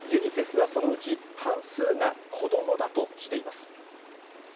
ＵＮＩＣＥＦはそのうち半数が子どもだとしています。